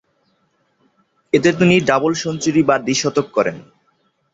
এতে তিনি double century বা দ্বি-শতক করেন।